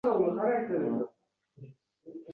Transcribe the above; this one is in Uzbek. Men ko`zlarimni yumib she`r o`qishda davom etdim